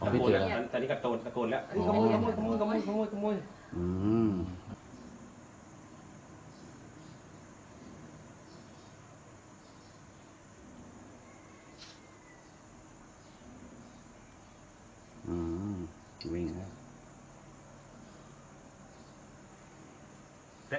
ตอนนี้กำลังตะโกนแล้ว